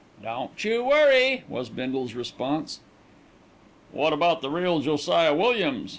"Don't you worry," was Bindle's response. "What about the real Josiah Williams?"